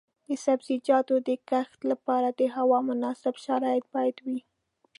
د سبزیجاتو د کښت لپاره د هوا مناسب شرایط باید وي.